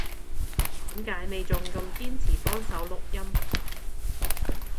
點解你仲咁堅持幫手錄音？